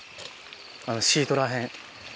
あのシートら辺。